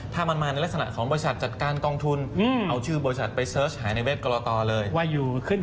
ถ้ามันมาในลักษณะของบริษัทจัดการกองทุนเอาชื่อบริษัทไปหาในเว็บกเลย